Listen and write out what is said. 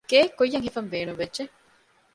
ގެއެއްކުއްޔަށް ހިފަން ބޭނުންވެއްޖެ